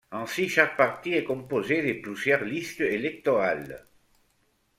Ainsi, chaque parti est composé de plusieurs listes électorales.